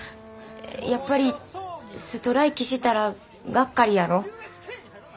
やっぱりストライキしたらがっかりやろ？